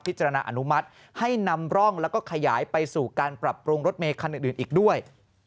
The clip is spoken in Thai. จารณอนุมัติให้นำร่องแล้วก็ขยายไปสู่การปรับปรุงรถเมคันอื่นอีกด้วย